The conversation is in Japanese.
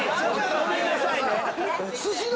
ごめんなさいね。